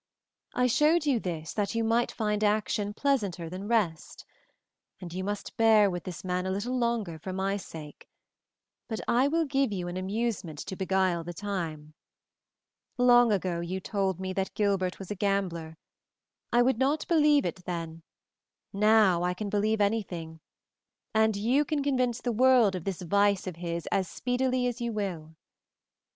I showed you this that you might find action pleasanter than rest, and you must bear with this man a little longer for my sake, but I will give you an amusement to beguile the time. Long ago you told me that Gilbert was a gambler. I would not believe it then, now I can believe anything, and you can convince the world of this vice of his as speedily as you will."